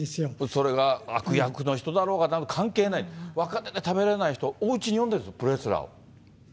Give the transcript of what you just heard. それが悪役の人だろうが、関係ない、若手で食べれない人、おうちに呼んでたの、プロレスラーを。